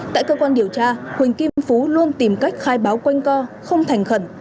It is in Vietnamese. tại cơ quan điều tra huỳnh kim phú luôn tìm cách khai báo quanh co không thành khẩn